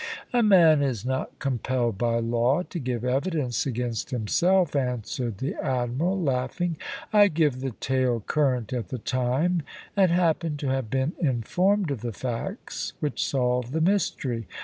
"A man is not compelled by law to give evidence against himself," answered the admiral, laughing. "I give the tale current at the time, and happened to have been informed of the facts which solved the mystery.